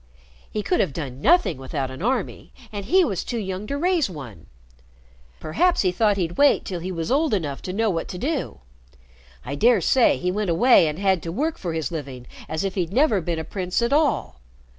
He could have done nothing without an army, and he was too young to raise one. Perhaps he thought he'd wait till he was old enough to know what to do. I dare say he went away and had to work for his living as if he'd never been a prince at all.